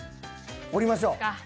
降りましょう。